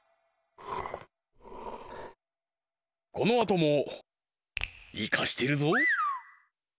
このあともイカしてるぞ！